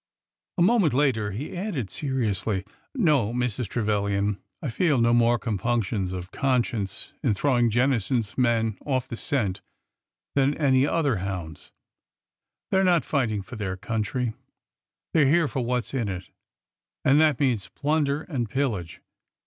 A moment later he added seriously: ''No, Mrs. Tre vilian, I feel no more compunctions of conscience in throwing Jennison's men off the scent than any other hounds ! They are not fighting for their country ! They are here for what 's in it. And that means plunder and pillage.